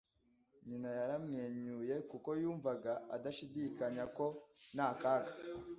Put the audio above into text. Nyina yaramwenyuye, kuko yumvaga adashidikanya ko nta kaga.